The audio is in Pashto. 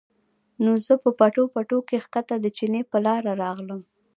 نو زۀ پۀ پټو پټو کښې ښکته د چینې پۀ لاره راغلم